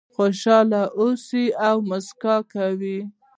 خوشاله اوسه او موسکا کوه .